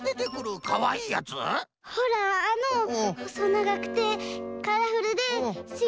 ほらあのほそながくてカラフルです